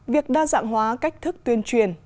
việc đa dạng hóa cách thức tuyên truyền